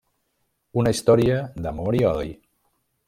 Una història d'amor i odi.